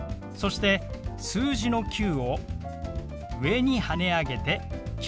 そして数字の「９」を上にはね上げて「９００」。